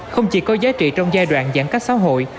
không chỉ có giá trị trong giai đoạn giãn cách xã hội